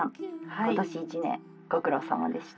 今年一年ご苦労さまでした」。